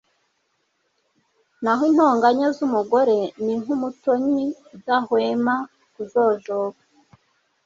naho intonganya z'umugore ni nk'umutonyi udahwema kujojoba